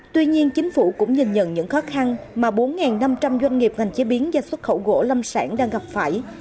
tuy nhiên chính phủ cũng nhìn nhận những khó khăn mà bốn năm trăm linh doanh nghiệp ngành chế biến và xuất khẩu gỗ lâm sản đang gặp phải